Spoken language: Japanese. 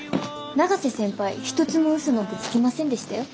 永瀬先輩一つも嘘なんてつきませんでしたよ。